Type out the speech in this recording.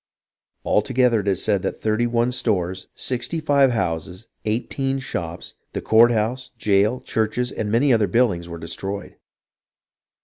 All together it is said that thirty one stores, sixty five houses, eighteen shops, the court house, jail, churches, and many other buildings were destroyed.